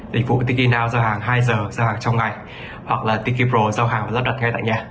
lịch vụ tiki now giao hàng hai giờ giao hàng trong ngày hoặc là tiki pro giao hàng và lắp đặt ngay tại nhà